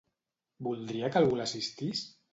Voldria que algú l'assistís?